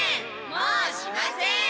もうしません！